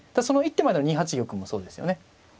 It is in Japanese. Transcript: その一手前の２八玉もそうですよね。